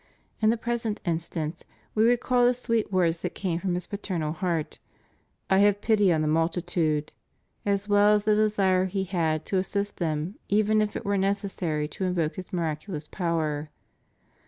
In the present instance we re call the sweet words that came from His paternal heart: / have pity on the multitude,^ as well as the desire He had to assist them even if it were necessary to invoke His miraculous power.